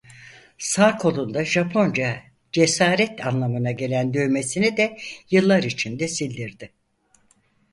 Sağ kolunda Japonca cesaret anlamına gelen dövmesini de yıllar içinde sildirdi.